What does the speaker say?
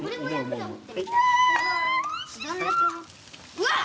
うわっ！